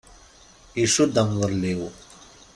Icudd amḍelliw.